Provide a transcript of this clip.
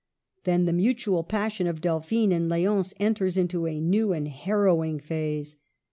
Then the mutual passion of Del phine and L6once enters upon a new and har rowing phase.